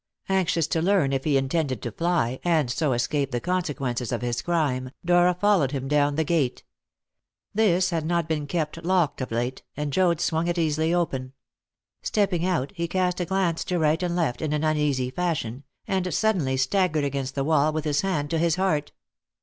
Anxious to learn if he intended to fly, and so escape the consequences of his crime, Dora followed him down to the gate. This had not been kept locked of late, and Joad swung it easily open. Stepping out, he cast a glance to right and left in an uneasy fashion, and suddenly staggered against the wall with his hand to his heart.